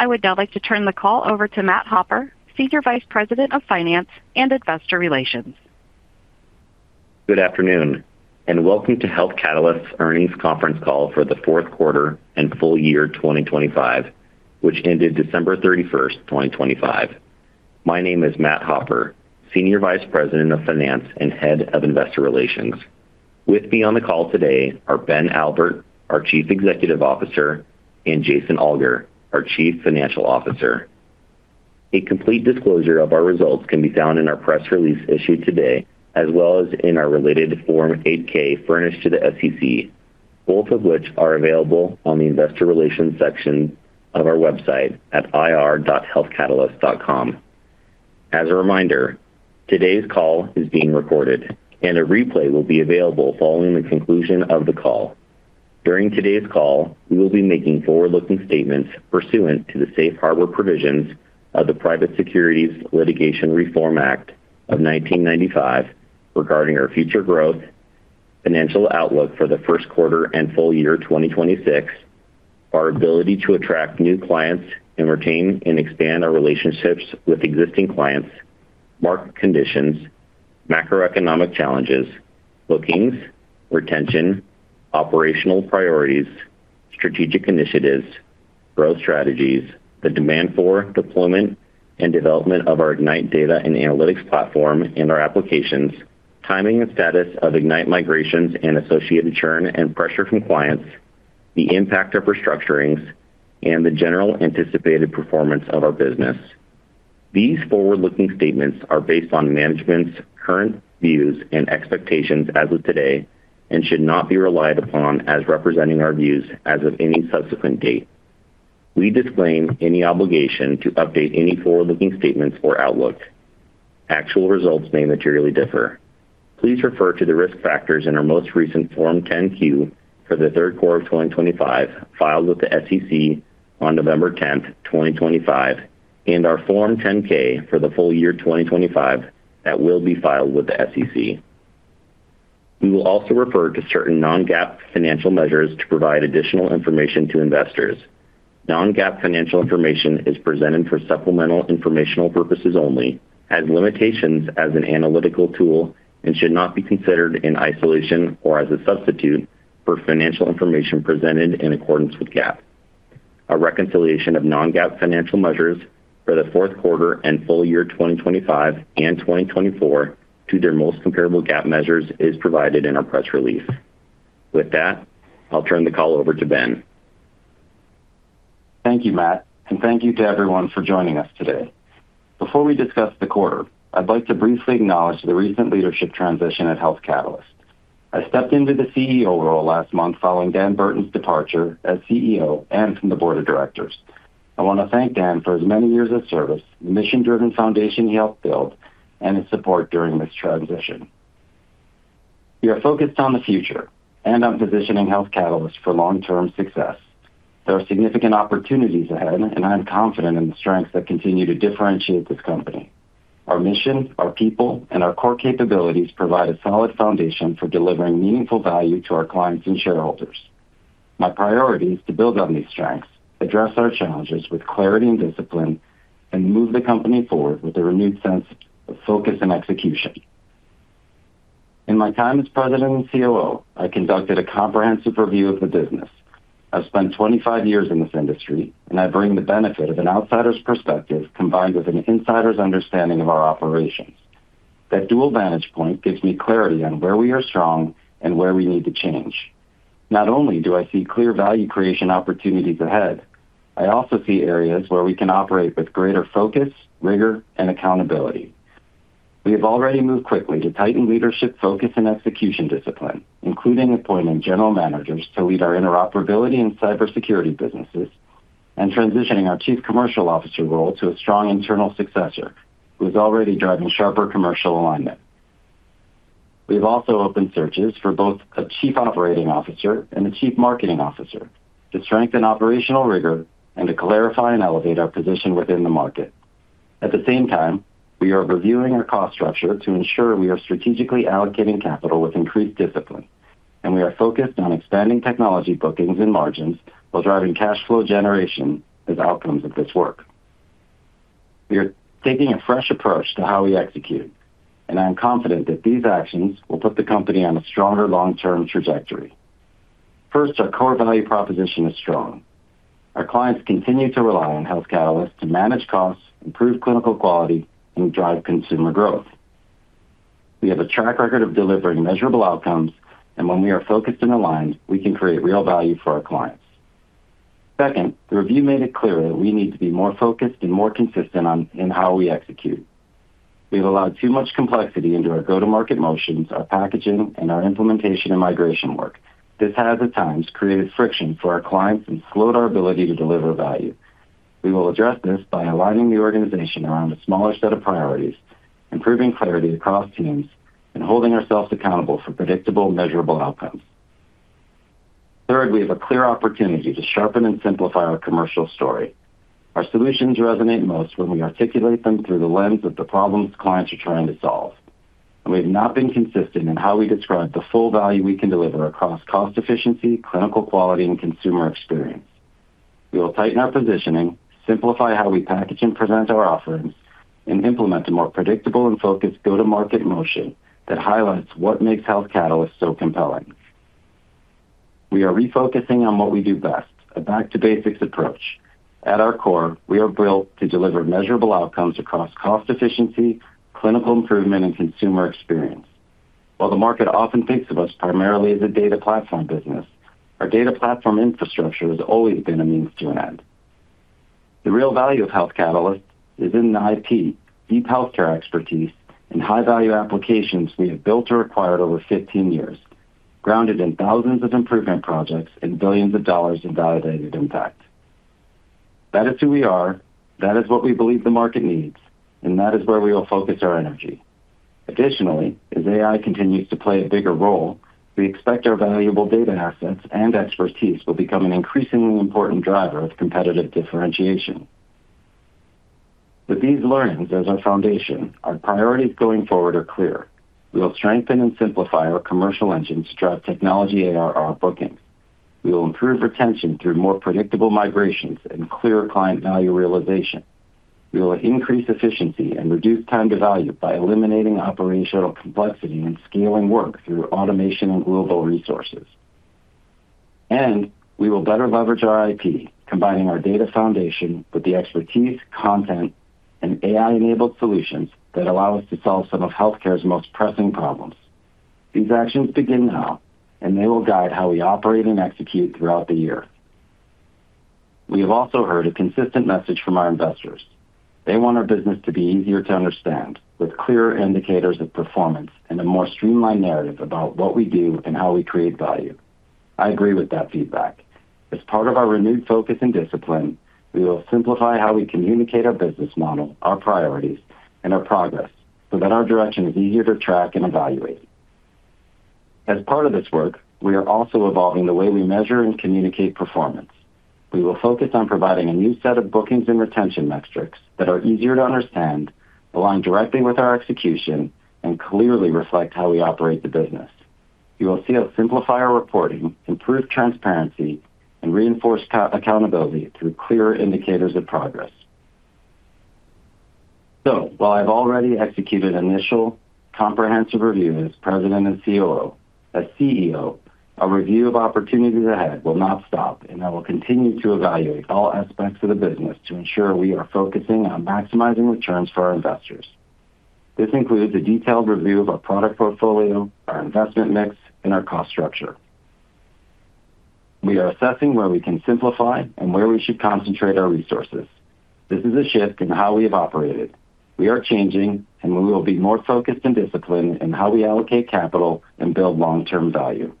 I would now like to turn the call over to Matt Hopper, Senior Vice President of Finance and Investor Relations. Good afternoon, and welcome to Health Catalyst's Earnings Conference Call for the fourth quarter and full year 2025, which ended December 31, 2025. My name is Matt Hopper, Senior Vice President of Finance and Head of Investor Relations. With me on the call today are Ben Albert, our Chief Executive Officer, and Jason Alger, our Chief Financial Officer. A complete disclosure of our results can be found in our press release issued today, as well as in our related Form 8-K furnished to the SEC, both of which are available on the Investor Relations section of our website at ir.healthcatalyst.com. As a reminder, today's call is being recorded, and a replay will be available following the conclusion of the call. During today's call, we will be making forward-looking statements pursuant to the safe harbor provisions of the Private Securities Litigation Reform Act of 1995 regarding our future growth, financial outlook for the first quarter and full year 2026, our ability to attract new clients and retain and expand our relationships with existing clients, market conditions, macroeconomic challenges, bookings, retention, operational priorities, strategic initiatives, growth strategies, the demand for deployment and development of our Ignite data and analytics platform and our applications, timing and status of Ignite migrations and associated churn and pressure from clients, the impact of restructurings, and the general anticipated performance of our business. These forward-looking statements are based on management's current views and expectations as of today and should not be relied upon as representing our views as of any subsequent date. We disclaim any obligation to update any forward-looking statements or outlook. Actual results may materially differ. Please refer to the risk factors in our most recent Form 10-Q for the third quarter of 2025, filed with the SEC on November 10, 2025, and our Form 10-K for the full year 2025 that will be filed with the SEC. We will also refer to certain non-GAAP financial measures to provide additional information to investors. Non-GAAP financial information is presented for supplemental informational purposes only, has limitations as an analytical tool, and should not be considered in isolation or as a substitute for financial information presented in accordance with GAAP. A reconciliation of non-GAAP financial measures for the fourth quarter and full year 2025 and 2024 to their most comparable GAAP measures is provided in our press release. With that, I'll turn the call over to Ben. Thank you, Matt, and thank you to everyone for joining us today. Before we discuss the quarter, I'd like to briefly acknowledge the recent leadership transition at Health Catalyst. I stepped into the CEO role last month following Dan Burton's departure as CEO and from the board of directors. I want to thank Dan for his many years of service, the mission-driven foundation he helped build, and his support during this transition. We are focused on the future and on positioning Health Catalyst for long-term success. There are significant opportunities ahead, and I am confident in the strengths that continue to differentiate this company. Our mission, our people, and our core capabilities provide a solid foundation for delivering meaningful value to our clients and shareholders. My priority is to build on these strengths, address our challenges with clarity and discipline, and move the company forward with a renewed sense of focus and execution. In my time as President and COO, I conducted a comprehensive review of the business. I've spent 25 years in this industry, and I bring the benefit of an outsider's perspective combined with an insider's understanding of our operations. That dual vantage point gives me clarity on where we are strong and where we need to change. Not only do I see clear value creation opportunities ahead, I also see areas where we can operate with greater focus, rigor, and accountability. We have already moved quickly to tighten leadership focus and execution discipline, including appointing general managers to lead our interoperability and cybersecurity businesses and transitioning our chief commercial officer role to a strong internal successor who is already driving sharper commercial alignment. We have also opened searches for both a chief operating officer and a chief marketing officer to strengthen operational rigor and to clarify and elevate our position within the market. At the same time, we are reviewing our cost structure to ensure we are strategically allocating capital with increased discipline, and we are focused on expanding technology bookings and margins while driving cash flow generation as outcomes of this work. We are taking a fresh approach to how we execute, and I am confident that these actions will put the company on a stronger long-term trajectory. First, our core value proposition is strong. Our clients continue to rely on Health Catalyst to manage costs, improve clinical quality, and drive consumer growth. We have a track record of delivering measurable outcomes, and when we are focused and aligned, we can create real value for our clients. Second, the review made it clear that we need to be more focused and more consistent in how we execute. We've allowed too much complexity into our go-to-market motions, our packaging, and our implementation and migration work. This has, at times, created friction for our clients and slowed our ability to deliver value. We will address this by aligning the organization around a smaller set of priorities, improving clarity across teams, and holding ourselves accountable for predictable, measurable outcomes. Third, we have a clear opportunity to sharpen and simplify our commercial story. Our solutions resonate most when we articulate them through the lens of the problems clients are trying to solve. We've not been consistent in how we describe the full value we can deliver across cost efficiency, clinical quality, and consumer experience. We will tighten our positioning, simplify how we package and present our offerings, and implement a more predictable and focused go-to-market motion that highlights what makes Health Catalyst so compelling. We are refocusing on what we do best, a back-to-basics approach. At our core, we are built to deliver measurable outcomes across cost efficiency, clinical improvement, and consumer experience. While the market often thinks of us primarily as a data platform business, our data platform infrastructure has always been a means to an end. The real value of Health Catalyst is in the IP, deep healthcare expertise, and high-value applications we have built or acquired over 15 years, grounded in thousands of improvement projects and billions of dollars in validated impact. That is who we are, that is what we believe the market needs, and that is where we will focus our energy. Additionally, as AI continues to play a bigger role, we expect our valuable data assets and expertise will become an increasingly important driver of competitive differentiation. With these learnings as our foundation, our priorities going forward are clear. We will strengthen and simplify our commercial engine to drive technology ARR bookings. We will improve retention through more predictable migrations and clearer client value realization. We will increase efficiency and reduce time to value by eliminating operational complexity and scaling work through automation and global resources. We will better leverage our IP, combining our data foundation with the expertise, content, and AI-enabled solutions that allow us to solve some of healthcare's most pressing problems. These actions begin now, and they will guide how we operate and execute throughout the year. We have also heard a consistent message from our investors. They want our business to be easier to understand, with clearer indicators of performance and a more streamlined narrative about what we do and how we create value. I agree with that feedback. As part of our renewed focus and discipline, we will simplify how we communicate our business model, our priorities, and our progress so that our direction is easier to track and evaluate. As part of this work, we are also evolving the way we measure and communicate performance. We will focus on providing a new set of bookings and retention metrics that are easier to understand, align directly with our execution, and clearly reflect how we operate the business. You will see us simplify our reporting, improve transparency, and reinforce accountability through clearer indicators of progress. While I've already executed initial comprehensive reviews as president and COO, as CEO, our review of opportunities ahead will not stop, and I will continue to evaluate all aspects of the business to ensure we are focusing on maximizing returns for our investors. This includes a detailed review of our product portfolio, our investment mix, and our cost structure. We are assessing where we can simplify and where we should concentrate our resources. This is a shift in how we have operated. We are changing, and we will be more focused and disciplined in how we allocate capital and build long-term value.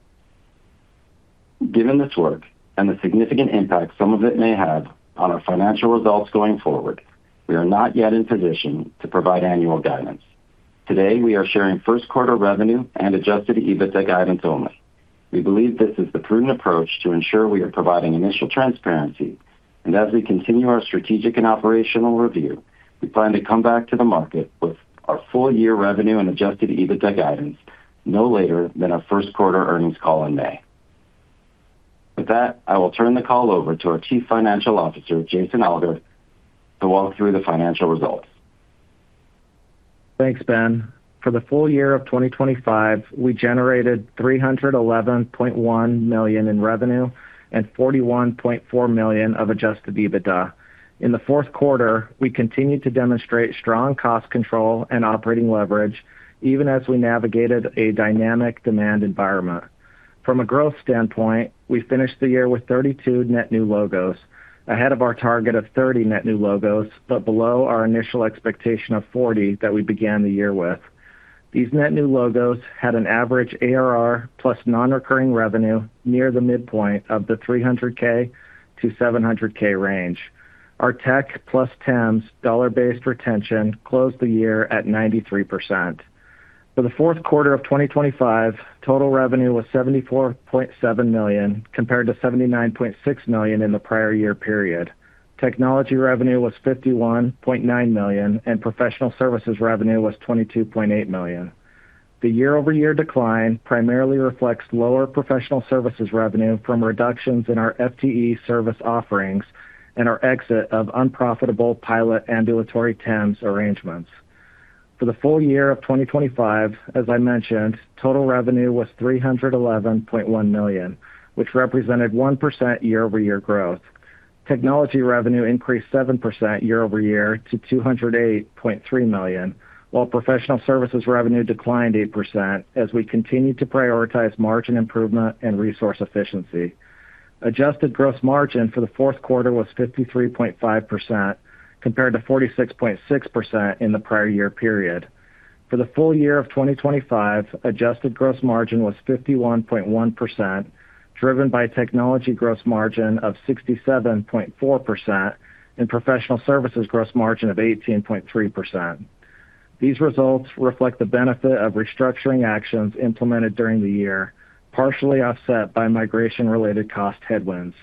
Given this work and the significant impact some of it may have on our financial results going forward, we are not yet in position to provide annual guidance. Today, we are sharing first quarter revenue and Adjusted EBITDA guidance only. We believe this is the prudent approach to ensure we are providing initial transparency. As we continue our strategic and operational review, we plan to come back to the market with our full year revenue and Adjusted EBITDA guidance no later than our first quarter earnings call in May. With that, I will turn the call over to our Chief Financial Officer, Jason Alger, to walk through the financial results. Thanks, Ben. For the full year of 2025, we generated $311.1 million in revenue and $41.4 million of Adjusted EBITDA. In the fourth quarter, we continued to demonstrate strong cost control and operating leverage even as we navigated a dynamic demand environment. From a growth standpoint, we finished the year with 32 net new logos, ahead of our target of 30 net new logos, but below our initial expectation of 40 that we began the year with. These net new logos had an average ARR plus non-recurring revenue near the midpoint of the $300,000-$700,000 range. Our tech plus TAMS dollar-based retention closed the year at 93%. For the fourth quarter of 2025, total revenue was $74.7 million, compared to $79.6 million in the prior year period. Technology revenue was $51.9 million, and professional services revenue was $22.8 million. The year-over-year decline primarily reflects lower professional services revenue from reductions in our FTE service offerings and our exit of unprofitable pilot ambulatory TAMS arrangements. For the full year of 2025, as I mentioned, total revenue was $311.1 million, which represented 1% year-over-year growth. Technology revenue increased 7% year-over-year to $208.3 million, while professional services revenue declined 8% as we continued to prioritize margin improvement and resource efficiency. Adjusted gross margin for the fourth quarter was 53.5%, compared to 46.6% in the prior year period. For the full year of 2025, Adjusted gross margin was 51.1%, driven by technology gross margin of 67.4% and professional services gross margin of 18.3%. These results reflect the benefit of restructuring actions implemented during the year, partially offset by migration-related cost headwinds.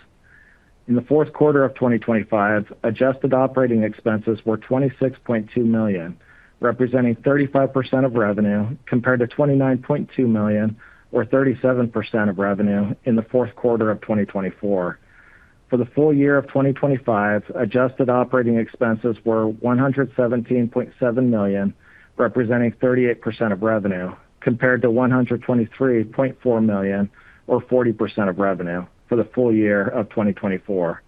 In the fourth quarter of 2025, Adjusted operating expenses were $26.2 million, representing 35% of revenue compared to $29.2 million or 37% of revenue in the fourth quarter of 2024. For the full year of 2025, Adjusted operating expenses were $117.7 million, representing 38% of revenue, compared to $123.4 million or 40% of revenue for the full year of 2024.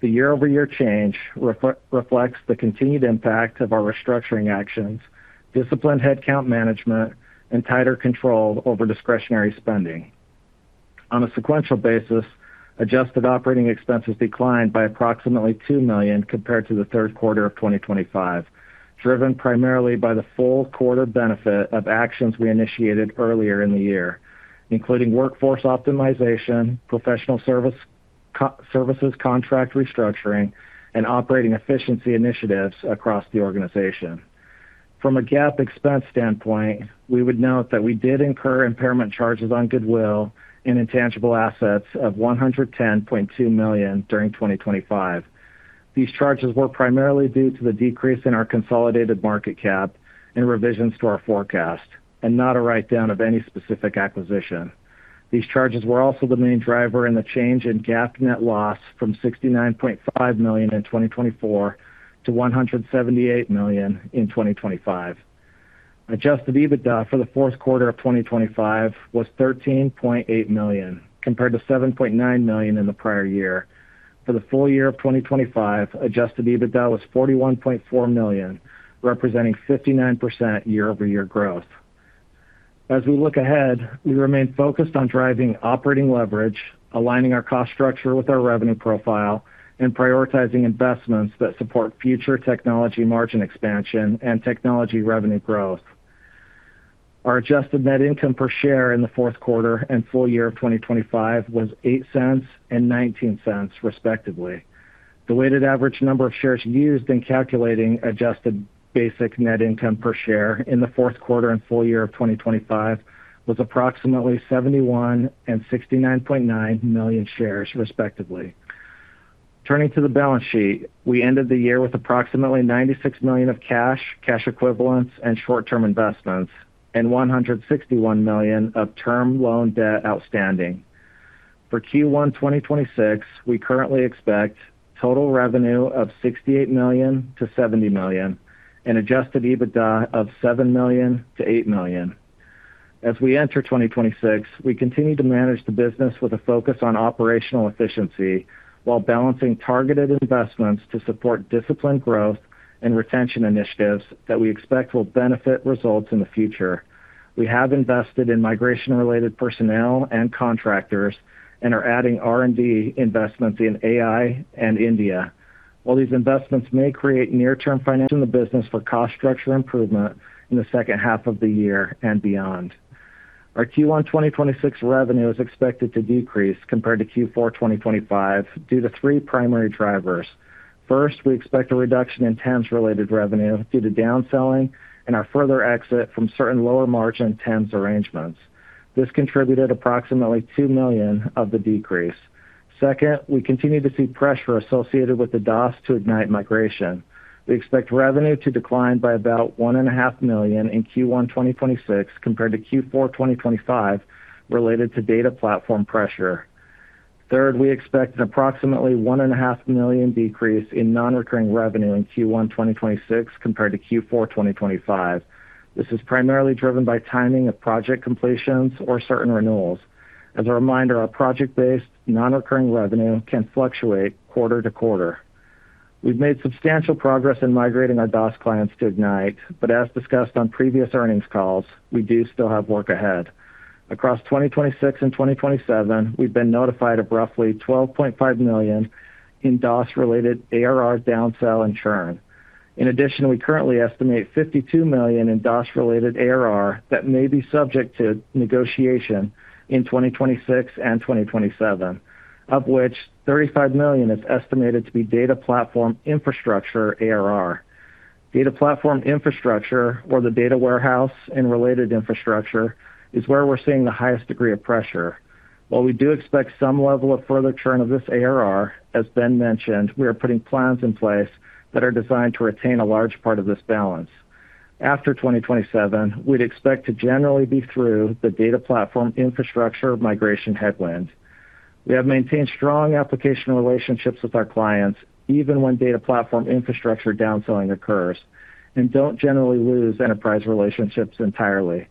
The year-over-year change reflects the continued impact of our restructuring actions, disciplined headcount management and tighter control over discretionary spending. On a sequential basis, adjusted operating expenses declined by approximately $2 million compared to the third quarter of 2025, driven primarily by the full quarter benefit of actions we initiated earlier in the year, including workforce optimization, professional services contract restructuring and operating efficiency initiatives across the organization. From a GAAP expense standpoint, we would note that we did incur impairment charges on goodwill and intangible assets of $110.2 million during 2025. These charges were primarily due to the decrease in our consolidated market cap and revisions to our forecast, and not a write-down of any specific acquisition. These charges were also the main driver in the change in GAAP net loss from $69.5 million in 2024 to $178 million in 2025. Adjusted EBITDA for the fourth quarter of 2025 was $13.8 million, compared to $7.9 million in the prior year. For the full year of 2025, Adjusted EBITDA was $41.4 million, representing 59% year-over-year growth. As we look ahead, we remain focused on driving operating leverage, aligning our cost structure with our revenue profile, and prioritizing investments that support future technology margin expansion and technology revenue growth. Our Adjusted net income per share in the fourth quarter and full year of 2025 was $0.08 and $0.19 respectively. The weighted average number of shares used in calculating adjusted basic net income per share in the fourth quarter and full year of 2025 was approximately 71 and 69.9 million shares, respectively. Turning to the balance sheet, we ended the year with approximately $96 million of cash equivalents and short-term investments, and $161 million of term loan debt outstanding. For Q1 2026, we currently expect total revenue of $68 million-$70 million and Adjusted EBITDA of $7 million-$8 million. As we enter 2026, we continue to manage the business with a focus on operational efficiency while balancing targeted investments to support disciplined growth and retention initiatives that we expect will benefit results in the future. We have invested in migration-related personnel and contractors and are adding R&D investments in AI and India. While these investments may create near-term financial pain in the business for cost structure improvement in the second half of the year and beyond. Our Q1 2026 revenue is expected to decrease compared to Q4 2025 due to three primary drivers. First, we expect a reduction in TEMS-related revenue due to down selling and our further exit from certain lower margin TEMS arrangements. This contributed approximately $2 million of the decrease. Second, we continue to see pressure associated with the DOS to Ignite migration. We expect revenue to decline by about $1.5 million in Q1 2026 compared to Q4 2025 related to data platform pressure. Third, we expect an approximately $1.5 million decrease in non-recurring revenue in Q1 2026 compared to Q4 2025. This is primarily driven by timing of project completions or certain renewals. As a reminder, our project-based, non-recurring revenue can fluctuate quarter-to-quarter. We've made substantial progress in migrating our DOS clients to Ignite, but as discussed on previous earnings calls, we do still have work ahead. Across 2026 and 2027, we've been notified of roughly $12.5 million in DOS-related ARR downsell and churn. In addition, we currently estimate $52 million in DOS-related ARR that may be subject to negotiation in 2026 and 2027. Of which $35 million is estimated to be data platform infrastructure ARR. Data platform infrastructure or the data warehouse and related infrastructure is where we're seeing the highest degree of pressure. While we do expect some level of further churn of this ARR, as Ben mentioned, we are putting plans in place that are designed to retain a large part of this balance. After 2027, we'd expect to generally be through the data platform infrastructure migration headwinds. We have maintained strong application relationships with our clients, even when data platform infrastructure downselling occurs, and don't generally lose enterprise relationships entirely.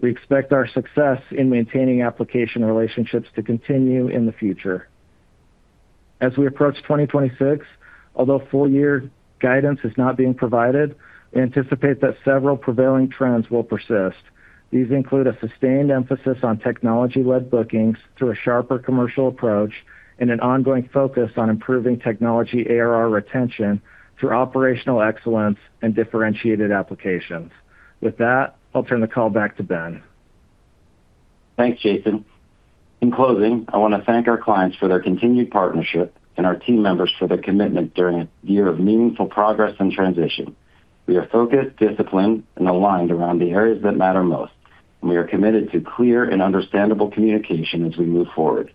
We expect our success in maintaining application relationships to continue in the future. As we approach 2026, although full year guidance is not being provided, we anticipate that several prevailing trends will persist. These include a sustained emphasis on technology-led bookings through a sharper commercial approach and an ongoing focus on improving technology ARR retention through operational excellence and differentiated applications. With that, I'll turn the call back to Ben. Thanks, Jason. In closing, I wanna thank our clients for their continued partnership and our team members for their commitment during a year of meaningful progress and transition. We are focused, disciplined, and aligned around the areas that matter most. We are committed to clear and understandable communication as we move forward.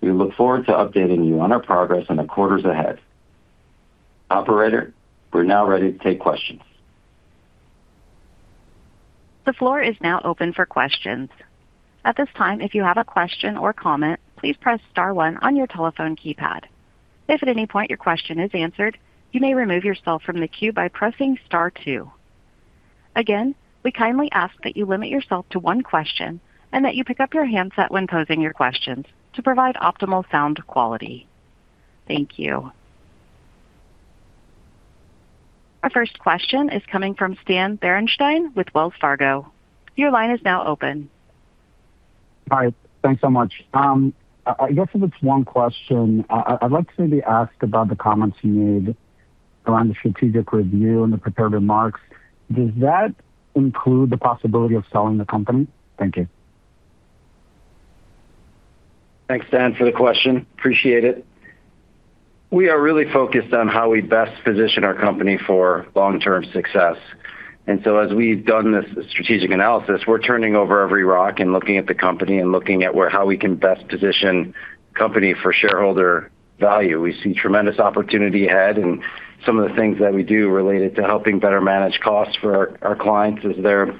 We look forward to updating you on our progress in the quarters ahead. Operator, we're now ready to take questions. The floor is now open for questions. At this time, if you have a question or comment, please press star one on your telephone keypad. If at any point your question is answered, you may remove yourself from the queue by pressing star two. Again, we kindly ask that you limit yourself to one question and that you pick up your handset when posing your questions to provide optimal sound quality. Thank you. Our first question is coming from Stan Berenshteyn with Wells Fargo. Your line is now open. Hi. Thanks so much. I guess if it's one question, I'd like to maybe ask about the comments you made around the strategic review in the prepared remarks. Does that include the possibility of selling the company? Thank you. Thanks, Stan, for the question. Appreciate it. We are really focused on how we best position our company for long-term success. As we've done this strategic analysis, we're turning over every rock and looking at the company and looking at how we can best position company for shareholder value. We see tremendous opportunity ahead and some of the things that we do related to helping better manage costs for our clients as they're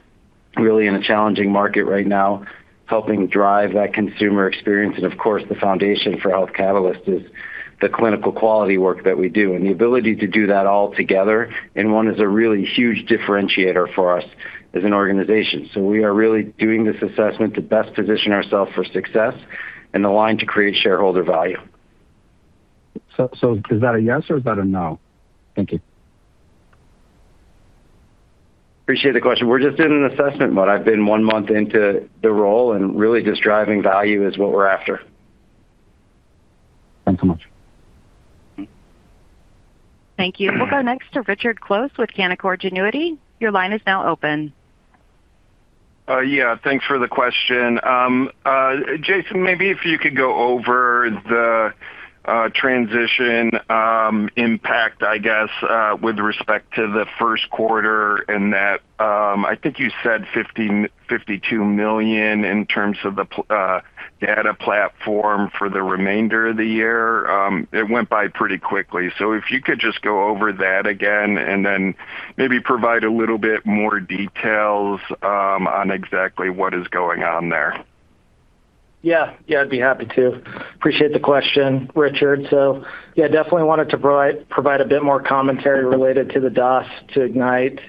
really in a challenging market right now, helping drive that consumer experience, and of course, the foundation for Health Catalyst is the clinical quality work that we do. The ability to do that all together in one is a really huge differentiator for us as an organization. We are really doing this assessment to best position ourselves for success and align to create shareholder value. Is that a yes or is that a no? Thank you. Appreciate the question. We're just in an assessment mode. I've been one month into the role, and really just driving value is what we're after. Thanks so much. Thank you. We'll go next to Richard Close with Canaccord Genuity. Your line is now open. Yeah, thanks for the question. Jason, maybe if you could go over the transition impact, I guess, with respect to the first quarter and that, I think you said $52 million in terms of the data platform for the remainder of the year. It went by pretty quickly. If you could just go over that again and then maybe provide a little bit more details on exactly what is going on there. Yeah. Yeah, I'd be happy to. Appreciate the question, Richard. Yeah, definitely wanted to provide a bit more commentary related to the DOS to Ignite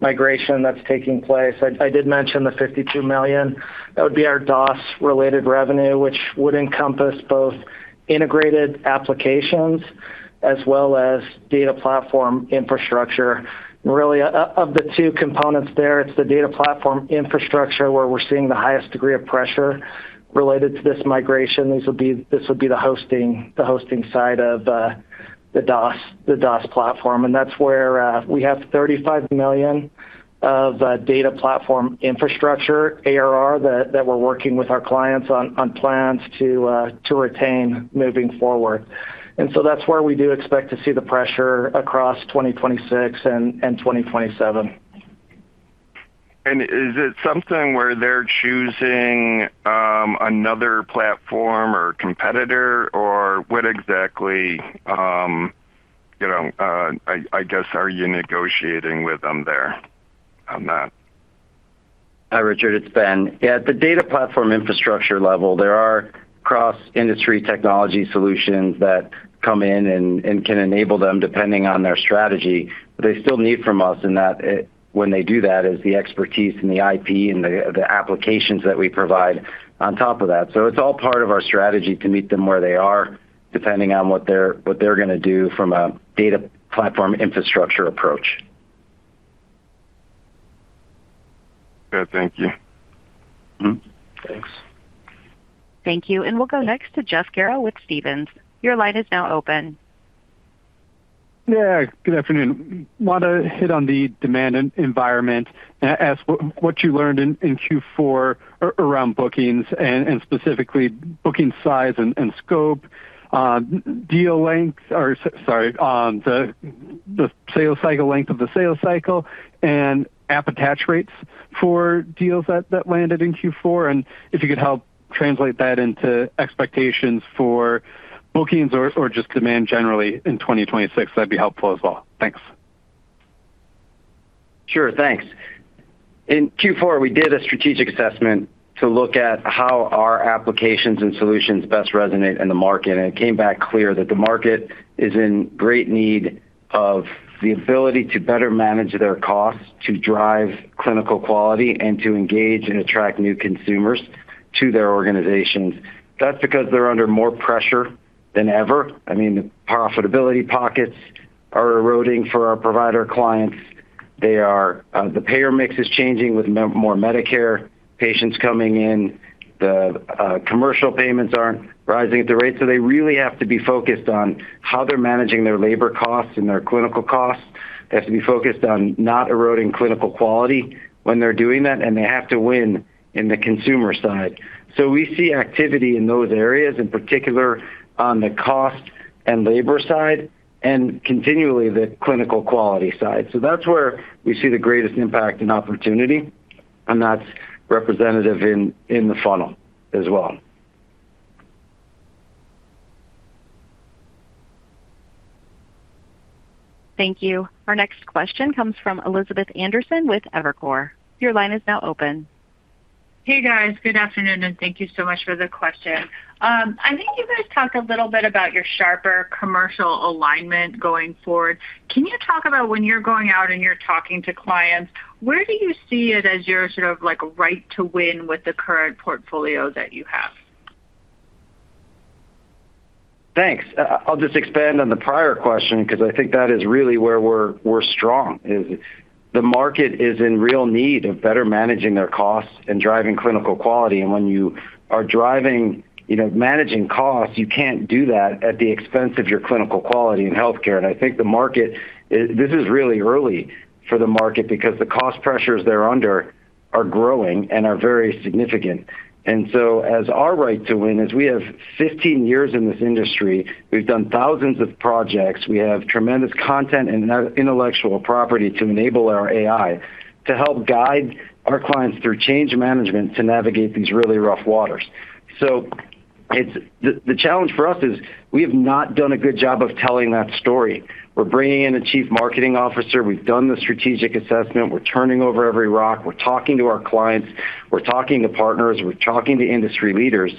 migration that's taking place. I did mention the $52 million. That would be our DOS-related revenue, which would encompass both integrated applications as well as data platform infrastructure. Really, of the two components there, it's the data platform infrastructure where we're seeing the highest degree of pressure related to this migration. This would be the hosting side of the DOS platform. That's where we have $35 million of data platform infrastructure ARR that we're working with our clients on plans to retain moving forward. That's where we do expect to see the pressure across 2026 and 2027. Is it something where they're choosing another platform or competitor or what exactly, you know, I guess, are you negotiating with them there on that? Hi, Richard, it's Ben. Yeah, at the data platform infrastructure level, there are cross-industry technology solutions that come in and can enable them depending on their strategy. What they still need from us in that, when they do that, is the expertise and the IP and the applications that we provide on top of that. It's all part of our strategy to meet them where they are, depending on what they're gonna do from a data platform infrastructure approach. Good. Thank you. Thanks. Thank you. We'll go next to Jeff Garro with Stephens. Your line is now open. Yeah, good afternoon. Want to hit on the demand environment and ask what you learned in Q4 around bookings and specifically booking size and scope, deal length, the sales cycle length and app attach rates for deals that landed in Q4. If you could help translate that into expectations for bookings or just demand generally in 2026, that'd be helpful as well. Thanks. Sure. Thanks. In Q4, we did a strategic assessment to look at how our applications and solutions best resonate in the market, and it came back clear that the market is in great need of the ability to better manage their costs, to drive clinical quality, and to engage and attract new consumers to their organizations. That's because they're under more pressure than ever. I mean, the profitability pockets are eroding for our provider clients. The payer mix is changing with more Medicare patients coming in. The commercial payments aren't rising at the rate, so they really have to be focused on how they're managing their labor costs and their clinical costs. They have to be focused on not eroding clinical quality when they're doing that, and they have to win in the consumer side. We see activity in those areas, in particular on the cost and labor side, and continually the clinical quality side. That's where we see the greatest impact and opportunity, and that's representative in the funnel as well. Thank you. Our next question comes from Elizabeth Anderson with Evercore. Your line is now open. Hey, guys. Good afternoon, and thank you so much for the question. I think you guys talked a little bit about your sharper commercial alignment going forward. Can you talk about when you're going out and you're talking to clients, where do you see it as your sort of, like, right to win with the current portfolio that you have? Thanks. I'll just expand on the prior question because I think that is really where we're strong, is the market is in real need of better managing their costs and driving clinical quality. When you are driving, you know, managing costs, you can't do that at the expense of your clinical quality in healthcare. I think the market. This is really early for the market because the cost pressures they're under are growing and are very significant. Our right to win is we have 15 years in this industry. We've done thousands of projects. We have tremendous content and intellectual property to enable our AI to help guide our clients through change management to navigate these really rough waters. It's the challenge for us is we have not done a good job of telling that story. We're bringing in a Chief Marketing Officer. We've done the strategic assessment. We're turning over every rock. We're talking to our clients. We're talking to partners. We're talking to industry leaders.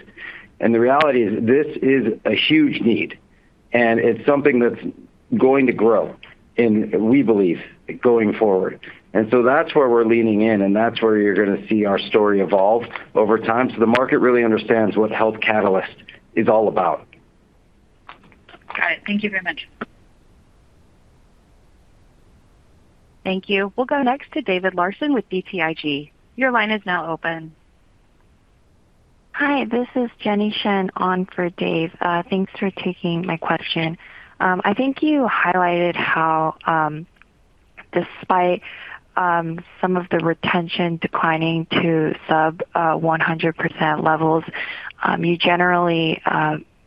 The reality is this is a huge need, and it's something that's going to grow, and we believe going forward. That's where we're leaning in, and that's where you're gonna see our story evolve over time so the market really understands what Health Catalyst is all about. Got it. Thank you very much. Thank you. We'll go next to David Larsen with BTIG. Your line is now open. Hi, this is Jenny Shen on for Dave. Thanks for taking my question. I think you highlighted how, despite some of the retention declining to sub 100% levels, you generally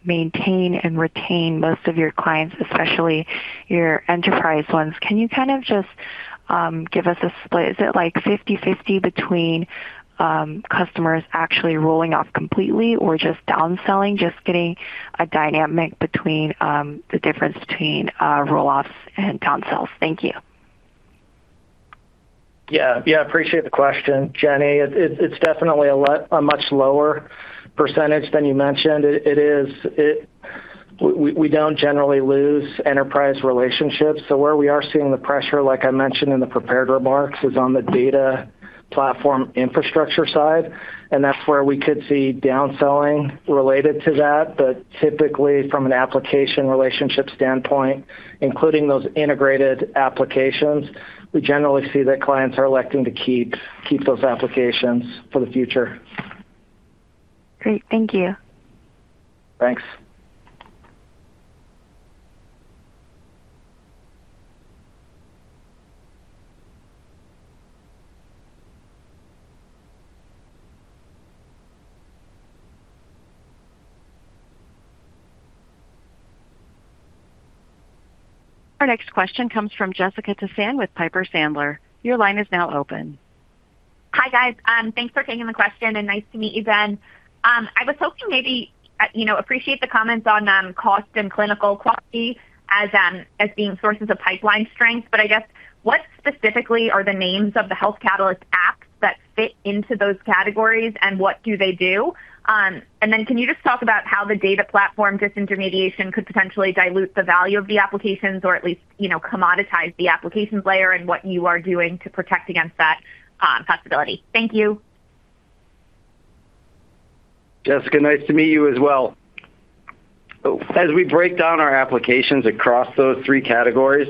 maintain and retain most of your clients, especially your enterprise ones. Can you kind of just give us a split? Is it, like, 50/50 between customers actually rolling off completely or just downselling, just getting a dynamic between the difference between roll-offs and downsells? Thank you. Yeah, appreciate the question, Jenny. It's definitely a lot, a much lower percentage than you mentioned. It is. We don't generally lose enterprise relationships. Where we are seeing the pressure, like I mentioned in the prepared remarks, is on the data platform infrastructure side, and that's where we could see downselling related to that. Typically from an application relationship standpoint, including those integrated applications, we generally see that clients are electing to keep those applications for the future. Great. Thank you. Thanks. Our next question comes from Jessica Tassan with Piper Sandler. Your line is now open. Hi, guys. Thanks for taking the question, and nice to meet you, Ben. I was hoping maybe, you know, appreciate the comments on, cost and clinical quality as being sources of pipeline strength. I guess, what specifically are the names of the Health Catalyst apps that fit into those categories, and what do they do? Can you just talk about how the data platform disintermediation could potentially dilute the value of the applications or at least, you know, commoditize the applications layer and what you are doing to protect against that, possibility? Thank you. Jessica, nice to meet you as well. As we break down our applications across those three categories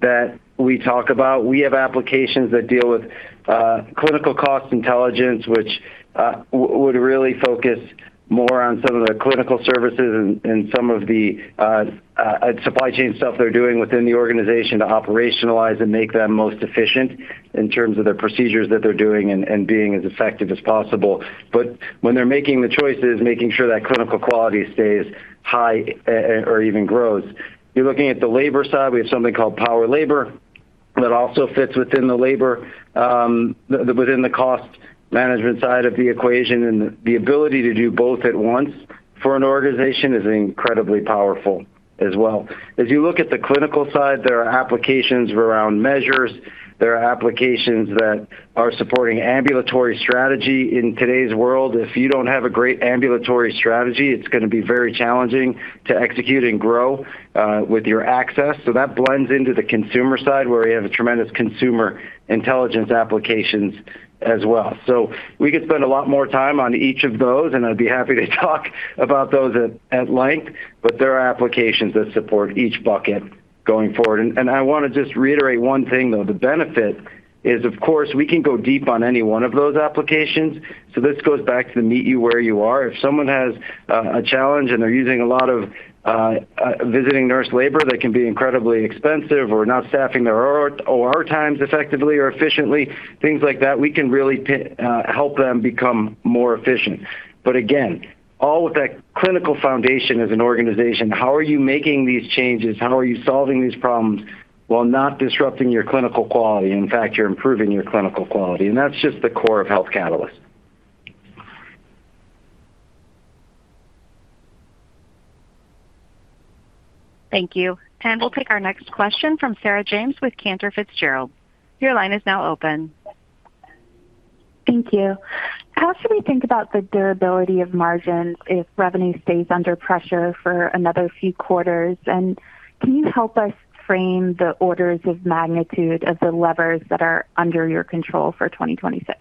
that we talk about, we have applications that deal with clinical cost intelligence, which would really focus more on some of the clinical services and some of the supply chain stuff they're doing within the organization to operationalize and make them most efficient in terms of their procedures that they're doing and being as effective as possible. When they're making the choices, making sure that clinical quality stays high or even grows. You're looking at the labor side. We have something called Power Labor that also fits within the labor within the cost management side of the equation. The ability to do both at once for an organization is incredibly powerful as well. As you look at the clinical side, there are applications around measures. There are applications that are supporting ambulatory strategy. In today's world, if you don't have a great ambulatory strategy, it's gonna be very challenging to execute and grow with your access. So that blends into the consumer side, where we have a tremendous consumer intelligence applications as well. So we could spend a lot more time on each of those, and I'd be happy to talk about those at length. But there are applications that support each bucket going forward. I wanna just reiterate one thing, though. The benefit is, of course, we can go deep on any one of those applications. So this goes back to the meet you where you are. If someone has a challenge and they're using a lot of visiting nurse labor that can be incredibly expensive or not staffing their OR times effectively or efficiently, things like that, we can really help them become more efficient. But again, all with that clinical foundation as an organization, how are you making these changes? How are you solving these problems while not disrupting your clinical quality? In fact, you're improving your clinical quality. That's just the core of Health Catalyst. Thank you. We'll take our next question from Sarah James with Cantor Fitzgerald. Your line is now open. Thank you. How should we think about the durability of margins if revenue stays under pressure for another few quarters? Can you help us frame the orders of magnitude of the levers that are under your control for 2026?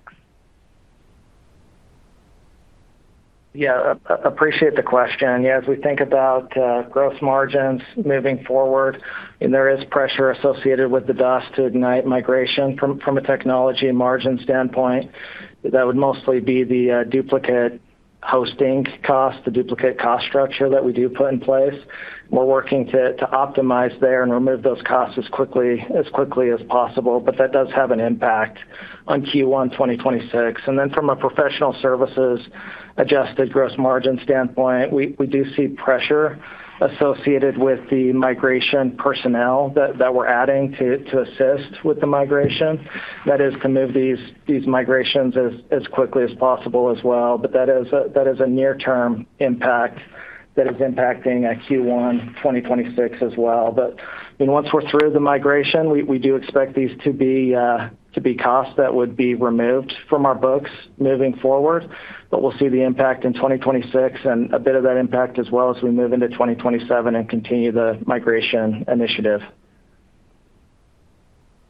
Yeah, appreciate the question. Yeah, as we think about gross margins moving forward, there is pressure associated with the DOS to Ignite migration from a technology and margin standpoint. That would mostly be the duplicate hosting cost, the duplicate cost structure that we do put in place. We're working to optimize there and remove those costs as quickly as possible, but that does have an impact on Q1 2026. From a professional services adjusted gross margin standpoint, we do see pressure associated with the migration personnel that we're adding to assist with the migration. That is to move these migrations as quickly as possible as well. That is a near-term impact that is impacting Q1 2026 as well. You know, once we're through the migration, we do expect these to be costs that would be removed from our books moving forward. We'll see the impact in 2026 and a bit of that impact as well as we move into 2027 and continue the migration initiative.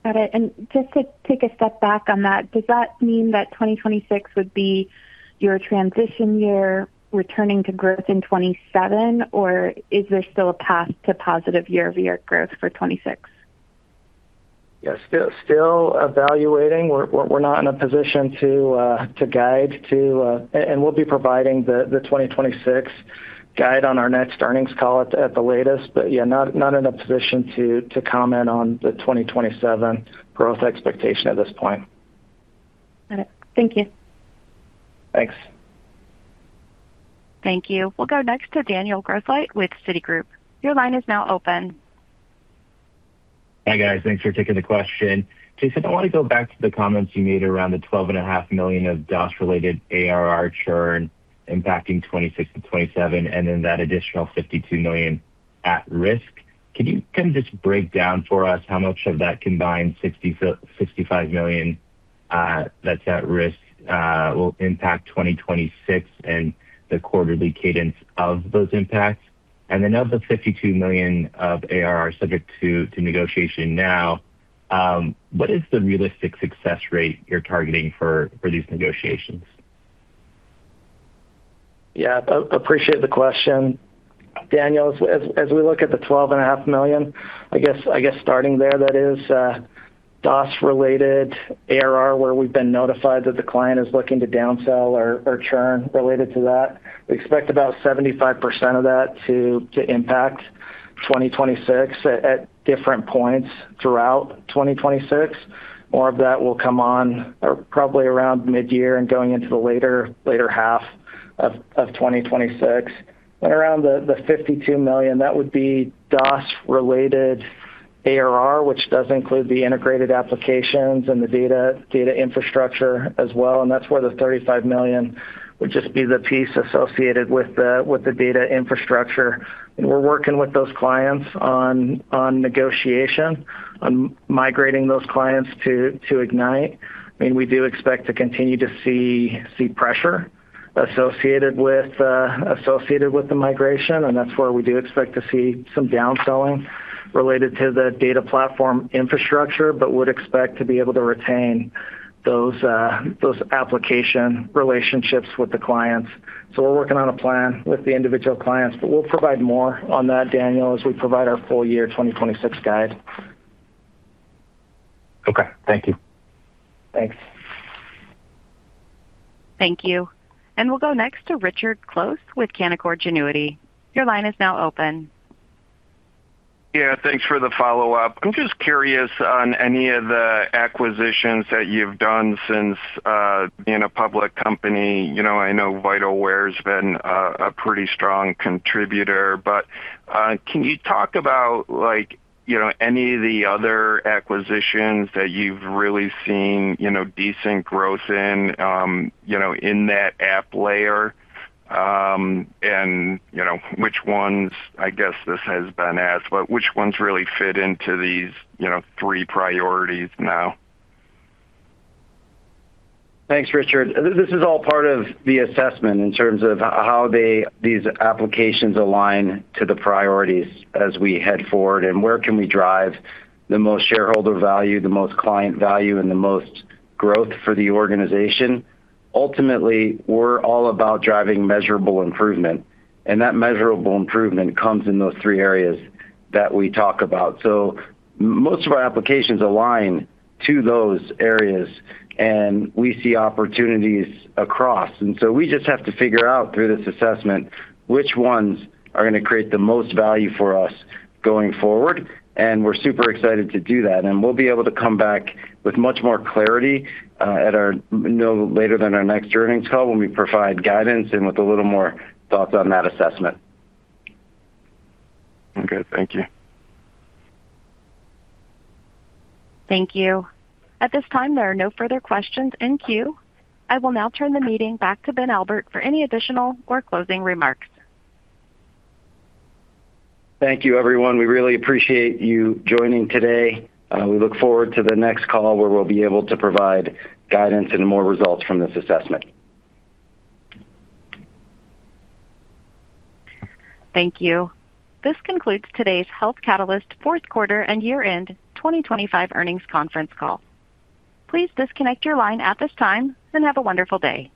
Got it. Just to take a step back on that, does that mean that 2026 would be your transition year returning to growth in 2027, or is there still a path to positive year-over-year growth for 2026? Yeah. Still evaluating. We're not in a position to guide to and we'll be providing the 2026 guide on our next earnings call at the latest. Yeah, not in a position to comment on the 2027 growth expectation at this point. Got it. Thank you. Thanks. Thank you. We'll go next to Daniel Grosslight with Citigroup. Your line is now open. Hi, guys. Thanks for taking the question. Jason, I wanna go back to the comments you made around the $12.5 million of DOS-related ARR churn impacting 2026-2027 and then that additional $52 million at risk. Can you just break down for us how much of that combined $65 million that's at risk will impact 2026 and the quarterly cadence of those impacts? Of the $52 million of ARR subject to negotiation now, what is the realistic success rate you're targeting for these negotiations? Yeah. Appreciate the question, Daniel. As we look at the $12.5 million, I guess starting there, that is DOS-related ARR where we've been notified that the client is looking to downsell or churn related to that. We expect about 75% of that to impact 2026 at different points throughout 2026. More of that will come in probably around midyear and going into the later half of 2026. Then around the $52 million, that would be DOS-related ARR, which does include the integrated applications and the data infrastructure as well. That's where the $35 million would just be the piece associated with the data infrastructure. We're working with those clients on negotiation, on migrating those clients to Ignite. I mean, we do expect to continue to see pressure associated with the migration, and that's where we do expect to see some downselling related to the data platform infrastructure, but would expect to be able to retain those application relationships with the clients. We're working on a plan with the individual clients, but we'll provide more on that, Daniel, as we provide our full year 2026 guide. Okay. Thank you. Thanks. Thank you. We'll go next to Richard Close with Canaccord Genuity. Your line is now open. Yeah. Thanks for the follow-up. I'm just curious on any of the acquisitions that you've done since being a public company. You know, I know Vitalware's been a pretty strong contributor, but can you talk about like, you know, any of the other acquisitions that you've really seen, you know, decent growth in, you know, in that app layer? You know, which ones I guess this has been asked, but which ones really fit into these, you know, three priorities now? Thanks, Richard. This is all part of the assessment in terms of how they, these applications align to the priorities as we head forward, and where can we drive the most shareholder value, the most client value, and the most growth for the organization. Ultimately, we're all about driving measurable improvement, and that measurable improvement comes in those three areas that we talk about. Most of our applications align to those areas, and we see opportunities across. We just have to figure out through this assessment which ones are gonna create the most value for us going forward. We're super excited to do that. We'll be able to come back with much more clarity, at our, no later than our next earnings call when we provide guidance and with a little more thoughts on that assessment. Okay. Thank you. Thank you. At this time, there are no further questions in queue. I will now turn the meeting back to Ben Albert for any additional or closing remarks. Thank you, everyone. We really appreciate you joining today. We look forward to the next call, where we'll be able to provide guidance and more results from this assessment. Thank you. This concludes today's Health Catalyst fourth quarter and year-end 2025 earnings conference call. Please disconnect your line at this time, and have a wonderful day.